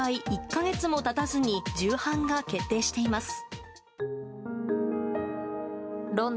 １か月も経たずに重版が決定しています。